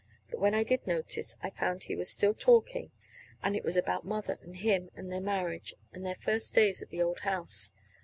But when I did notice, I found he was still talking and it was about Mother, and him, and their marriage, and their first days at the old house.